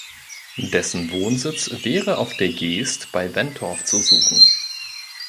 Dessen Wohnsitz wäre auf der Geest bei Wentorf zu suchen.